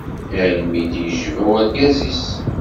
Almi i d-yejba urgaz-is.